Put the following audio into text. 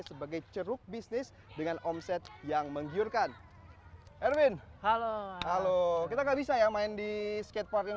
sebagai ceruk bisnis dengan omset yang menggiurkan erwin halo halo kita nggak bisa ya main di skatepark yang